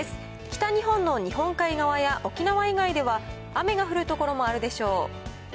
北日本の日本海側や沖縄以外では雨が降る所もあるでしょう。